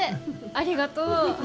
ありがとう。